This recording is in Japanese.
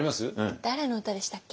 誰の歌でしたっけ？